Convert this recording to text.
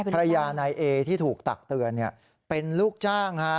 ภรรยานายเอที่ถูกตักเตือนเป็นลูกจ้าง